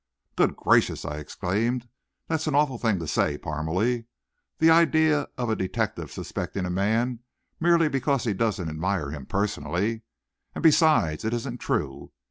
"Good gracious!" I exclaimed; "that's an awful thing to say, Parmalee. The idea of a detective suspecting a man, merely because he doesn't admire his personality! And besides, it isn't true.